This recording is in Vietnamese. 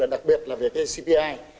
đặc biệt là về cái cpi